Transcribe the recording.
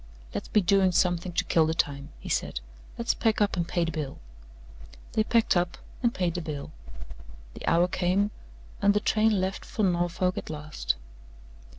"Let's be doing something to kill the time," he said. "Let's pack up and pay the bill." They packed up and paid the bill. The hour came, and the train left for Norfolk at last.